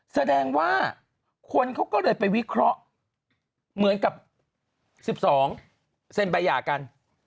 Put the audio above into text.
แสดงว่าคนเขาก็เลยไปวิเคราะห์เหมือนกับ๑๒เซ็นใบหย่ากัน